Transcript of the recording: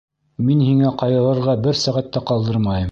Мин һиңә ҡайғырырға бер сәғәт тә ҡалдырмайым.